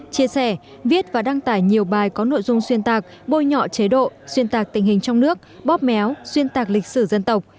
chia sẻ viết và đăng tải nhiều bài có nội dung xuyên tạc bôi nhọ chế độ xuyên tạc tình hình trong nước bóp méo xuyên tạc lịch sử dân tộc